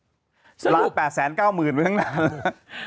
อืมปรากฎวัติในข้อหาสร้างหลักฐานแจ้งความเท็จอะไรอย่างงี้